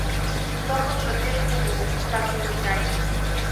Сомылжо пеш кугу, Савлий изай...